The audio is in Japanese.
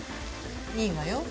いいわよ。